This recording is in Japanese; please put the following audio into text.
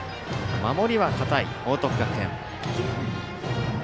守りは堅い報徳学園。